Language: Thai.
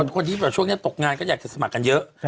คนที่ช่วงนี้ตกงานก็อยากจะสมัครกันเยอะ